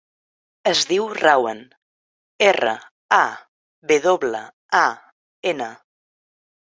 Es diu Rawan: erra, a, ve doble, a, ena.